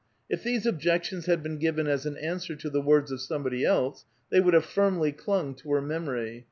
If these objections had been given as an answer to the words of somebody else, they would have firmly clung to her memor}'.